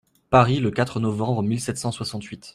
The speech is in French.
Paris, le quatre novembre mille sept cent soixante-huit.